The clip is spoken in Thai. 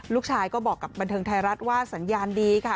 ลูกชายก็บอกกับบันเทิงไทยรัฐว่าสัญญาณดีค่ะ